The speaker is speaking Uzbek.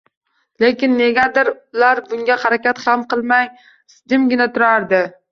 Lekin negadir ular bunga harakat ham qilmas, jimgina turardi